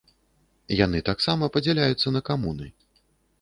Яны таксама падзяляюцца на камуны.